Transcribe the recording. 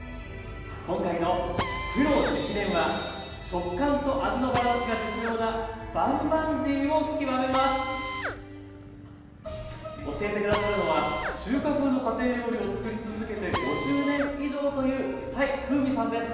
今回の「プロ直伝！」は食感と味のバランスが絶妙な教えて下さるのは中華風の家庭料理を作り続けて５０年以上という斉風瑞さんです。